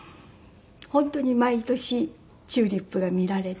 本当に毎年チューリップが見られて。